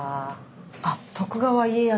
あっ徳川家康。